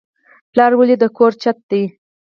پلار ولې د کور چت دی؟